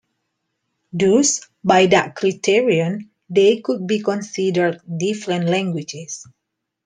Thus, by that criterion, they could be considered different languages.